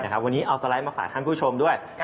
วันนี้เอาสไลด์มาฝากท่านผู้ชมด้วย